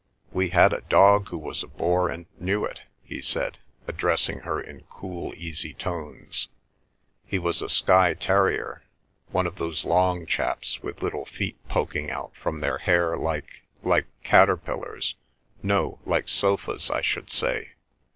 "We had a dog who was a bore and knew it," he said, addressing her in cool, easy tones. "He was a Skye terrier, one of those long chaps, with little feet poking out from their hair like—like caterpillars—no, like sofas I should say.